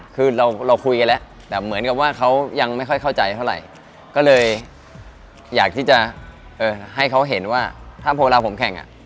คือเราคุยกันแล้วแต่เหมือนกับว่าเขายังไม่ค่อยเข้าใจเท่าไหร่ก็เลยอยากที่จะให้เขาเห็นว่าถ้าเวลาผมแข่งอ่ะ